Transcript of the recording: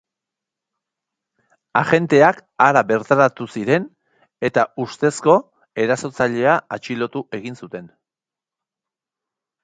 Agenteak hara bertaratu ziren, eta ustezko erasotzailea atxilotu egin zuten.